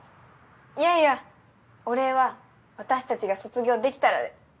いやいやお礼は私たちが卒業できたらで。